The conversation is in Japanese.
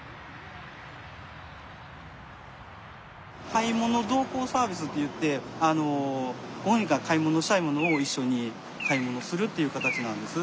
買い物同行サービスっていってご本人が買い物したいものを一緒に買い物するっていう形なんです。